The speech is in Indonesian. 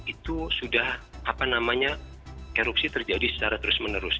itu sudah apa namanya erupsi terjadi secara terus menerus